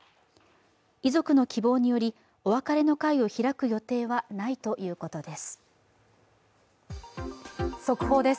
遺族の希望により、お別れの会を開く予定はないということです。